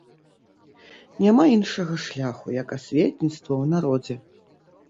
Няма іншага шляху, як асветніцтва ў народзе.